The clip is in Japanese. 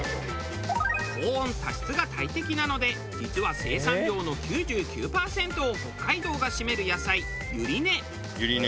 高温多湿が大敵なので実は生産量の９９パーセントを北海道が占める野菜ゆりね。